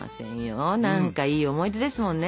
何かいい思い出ですもんね。